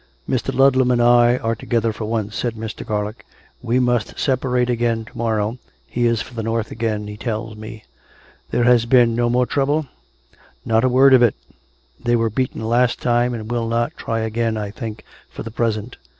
" Mr. Ludlam and I are together for once," said Mr. Garlick. " We must separate again to morrow, he is for the north again, he tells me. There has been no more trouble.'' "" Not a word of it. They were beaten last time and will not try again, I think, for the present.